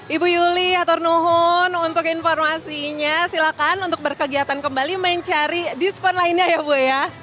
ibu yuli aturnuhun untuk informasinya silakan untuk berkegiatan kembali mencari diskon lainnya ya bu ya